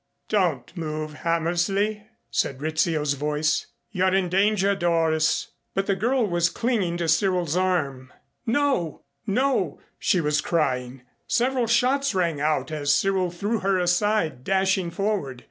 "Don't move, Hammersley," said Rizzio's voice. "You're in danger, Doris." But the girl was clinging to Cyril's arm. "No, no," she was crying. Several shots rang out as Cyril threw her aside, dashing forward.